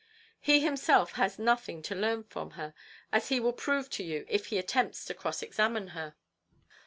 He himself has nothing to learn from her, as he will prove to you if he attempts to cross examine her.